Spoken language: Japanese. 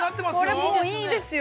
◆これ、もういいですよ。